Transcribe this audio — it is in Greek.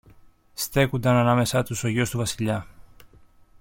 στέκουνταν ανάμεσα τους ο γιος του Βασιλιά.